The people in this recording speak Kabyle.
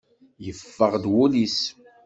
Yeffeɣ-d wul-is.